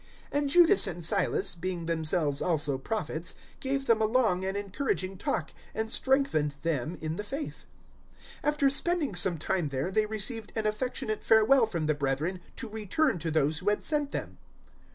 015:032 And Judas and Silas, being themselves also Prophets, gave them a long and encouraging talk, and strengthened them in the faith. 015:033 After spending some time there they received an affectionate farewell from the brethren to return to those who had sent them.